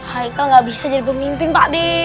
haikal gak bisa jadi pemimpin pakde